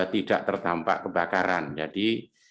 tidak terdampak kebakaran jadi